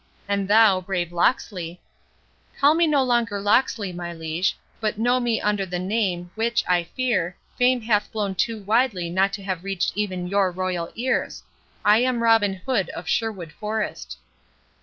—And thou, brave Locksley—" "Call me no longer Locksley, my Liege, but know me under the name, which, I fear, fame hath blown too widely not to have reached even your royal ears—I am Robin Hood of Sherwood Forest."